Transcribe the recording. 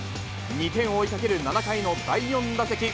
２点を追いかける７回の第４打席。